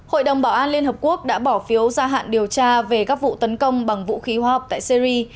hội đồng bảo an liên hợp quốc đã bỏ phiếu gia hạn điều tra về các vụ tấn công bằng vũ khí hóa học tại syri